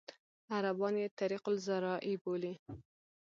عربان یې طریق الزراعي بولي.